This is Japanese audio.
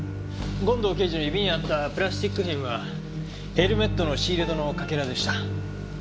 権藤刑事の指にあったプラスチック片はヘルメットのシールドのかけらでした。